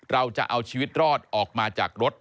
เราจะเอาชีวิตรอดออกมาจากรถ